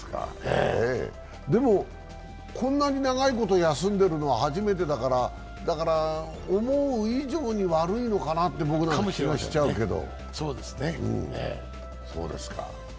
でもこんなに長いこと休んでるのは初めてだから思う以上に悪いのかなって僕なんか気がしちゃうけど。